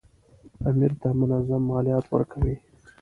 امیر ته منظم مالیات ورکوي.